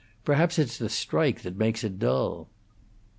Perhaps it's the strike that makes it dull."